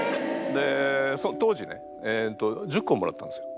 で当時ね１０こもらったんですよ。